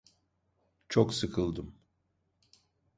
Çok sıkıldım.